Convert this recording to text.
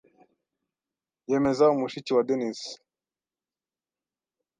yemeza mushiki wa Denis,